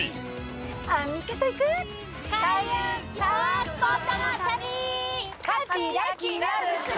開運パワースポットの旅！